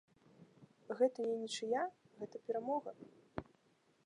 Гэта не нічыя, гэта перамога.